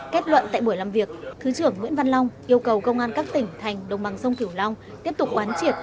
kết luận tại buổi làm việc thứ trưởng nguyễn văn long yêu cầu công an các tỉnh thành đồng bằng sông kiểu long tiếp tục oán triệt